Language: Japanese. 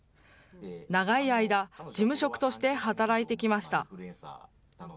長い間、事務職として働いてきました。